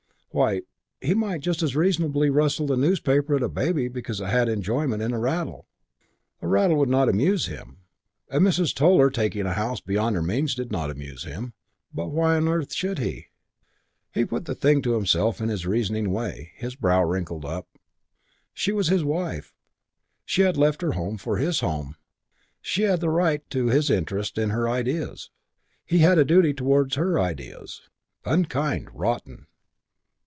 Why, he might just as reasonably rustle the newspaper at a baby because it had enjoyment in a rattle. A rattle would not amuse him, and Mrs. Toller taking a house beyond her means did not amuse him; but why on earth should he ? He put the thing to himself in his reasoning way, his brow wrinkled up: She was his wife. She had left her home for his home. She had a right to his interest in her ideas. He had a duty towards her ideas. Unkind. Rotten.